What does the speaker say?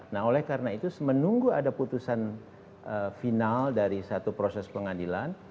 nah oleh karena itu menunggu ada putusan final dari satu proses pengadilan